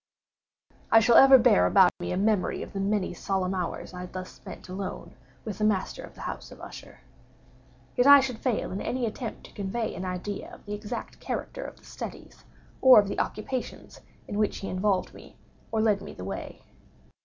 I shall ever bear about me a memory of the many solemn hours I thus spent alone with the master of the House of Usher. Yet I should fail in any attempt to convey an idea of the exact character of the studies, or of the occupations, in which he involved me, or led me the way.